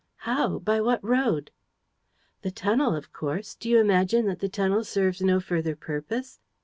"How? By what road?" "The tunnel, of course! Do you imagine that the tunnel serves no further purpose?